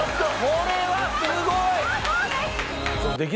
これはすごい！